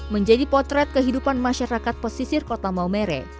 menjadi potret kehidupan masyarakat pesisir kota maumere